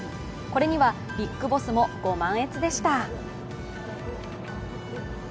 これにはビッグボスもご満悦でした。